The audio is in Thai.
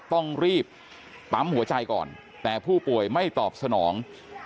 ต้องรีบปั๊มหัวใจก่อนแต่ผู้ป่วยไม่ตอบสนอง